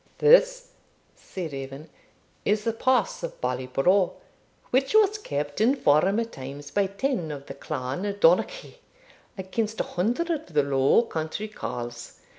'This,' said Evan, 'is the pass of Bally Brough, which was kept in former times by ten of the clan Donnochie against a hundred of the Low Country carles.